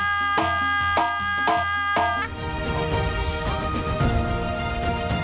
dan bagaimana merawat seni budaya agar tak tergerus zaman